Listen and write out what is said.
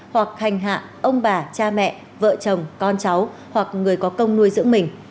hoặc hành hạ ông bà cha mẹ vợ chồng con cháu hoặc người có công nuôi dưỡng mình